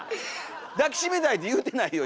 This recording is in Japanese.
「抱き締めたい」って言うてないよ